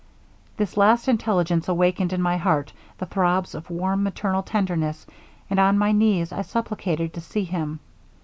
This last intelligence awakened in my heart the throbs of warm maternal tenderness, and on my knees I supplicated to see them.